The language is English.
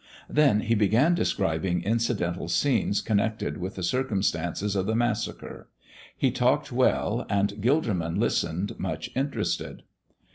Then he began describing incidental scenes connected with the circumstances of the massacre. He talked well, and Gilderman listened much interested.